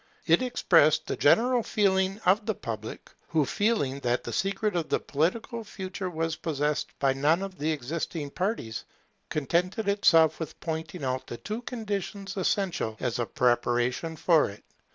It expressed the general feeling of the public, who, feeling that the secret of the political future was possessed by none of the existing parties, contented itself with pointing out the two conditions essential as a preparation for it.